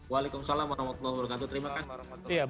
waalaikumsalam warahmatullahi wabarakatuh terima kasih